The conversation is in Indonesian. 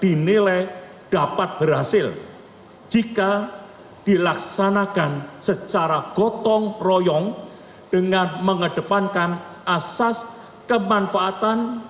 dinilai dapat berhasil jika dilaksanakan secara gotong royong dengan mengedepankan asas kemanfaatan